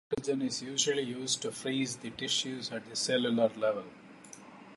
Liquid nitrogen is usually used to freeze the tissues at the cellular level.